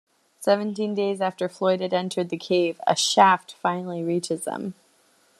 Seventeen days after Floyd had entered the cave, a shaft finally reaches him.